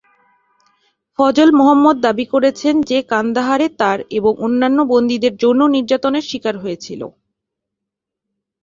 ফজল মোহাম্মদ দাবি করেছেন যে কান্দাহারে তার এবং অন্যান্য বন্দীদের যৌন নির্যাতনের শিকার হয়েছিল।